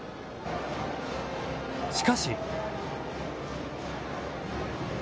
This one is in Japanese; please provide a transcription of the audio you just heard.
しかし。